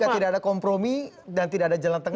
apakah tidak ada kompromi dan tidak ada jalan tengah